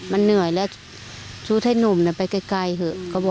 มันเหนื่อยแล้วชุดให้หนุ่มไปไกลเถอะ